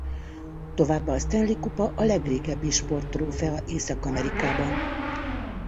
Továbbá a Stanley-kupa a legrégebbi sporttrófea Észak-Amerikában.